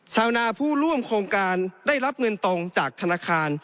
ชาวนาผู้ร่วมโครงการได้รับเงินตรงจากธนาคาร